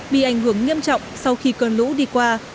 bị ảnh hưởng nghiêm trọng sau khi cơn lũ đi qua